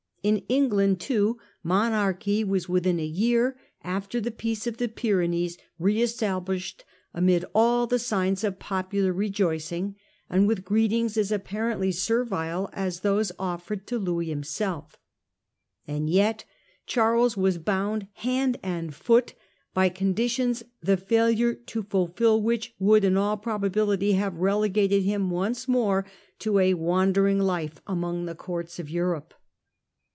In England, too, monarchy written 1 WaS a y ear a ^ er ^ ie P° ac G of the Py conditions, renees, re established amid all the signs of Spon yet popular rejoicing, and with greetings as appa sufferance. rent iy servile as those offered to Louis himself. And yet Charles was bound hand and foot by conditions the failure to fulfil which would in all probability have relegated him once more to a wandering life among the courts of Europe.